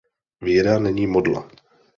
Věda není modla.